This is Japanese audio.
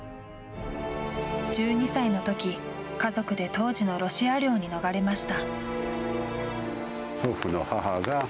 １２歳のとき、家族で当時のロシア領に逃れました。